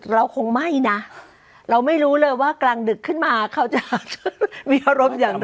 เราคงไม่นะเราไม่รู้เลยว่ากลางดึกขึ้นมาเขาจะมีอารมณ์อย่างไร